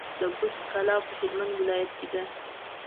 د بُست کلا په هلمند ولايت کي ده